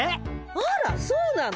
あらそうなの？